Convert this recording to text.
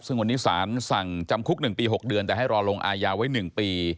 ซึ่งวันนี้สารสั่งจำคุก๑ปี๖เดือนแต่ให้รอลงอายาไว้๑ปี